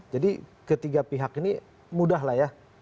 jadi ketiga pihak ini mudah lah ya